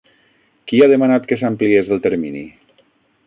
Qui ha demanat que s'ampliés el termini?